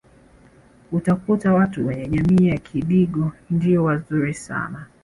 utakuta watu wenye jamii ya kidigo ndio wazuri sana